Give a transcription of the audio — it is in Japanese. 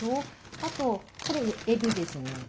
あとこれえびですね。